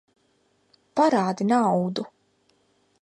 Parādi naudu!